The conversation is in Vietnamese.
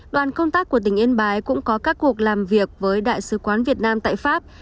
đoàn công tác của tỉnh yên bái cũng có các cuộc làm việc với đại sứ quán việt nam tại pháp